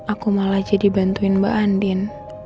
aku malah jadi bantuin mbak andin